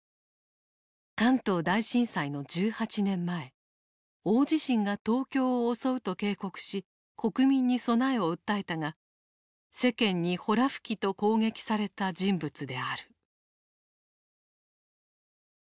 関東大震災の１８年前大地震が東京を襲うと警告し国民に備えを訴えたが世間にほら吹きと攻撃された人物である。